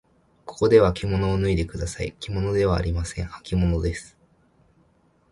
ここではきものを脱いでください。きものではありません。はきものです。